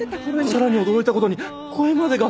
さらに驚いたことに声までが。